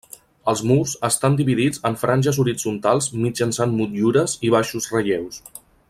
Els murs estan dividits en franges horitzontals mitjançant motllures i baixos relleus.